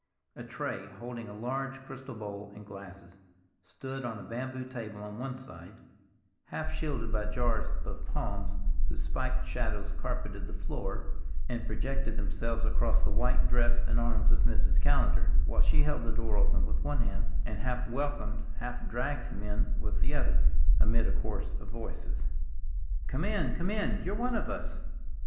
A tray, holding a large crystal bowl and glasses, stood on a bamboo table at one side, half shielded by jars of palms whose spiked shadows carpeted the floor and projected themselves across the white dress and arms of Mrs. Callender, while she held the door open with one hand, and half welcomed, half dragged him in with the other, amid a chorus of voices, "Come in, come in, you're one of us."